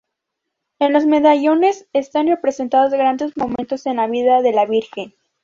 En los medallones están representados grandes momentos de la vida de la Virgen.